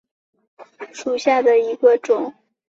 两叉千孔珊瑚为千孔珊瑚科千孔珊瑚属下的一个种。